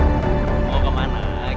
nggak bisa lari kan kabur sekarang